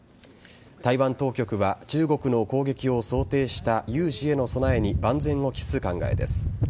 台湾当局は中国の攻撃を想定した有事への備えに万全を期す考えです。